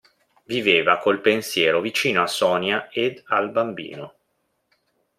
Viveva col pensiero vicino a Sonia ed al bambino.